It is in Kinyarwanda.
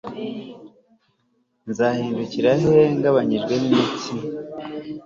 Nzahindukira he ngabanijwemo imitsi